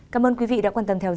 cảm ơn quý vị đã quan tâm theo dõi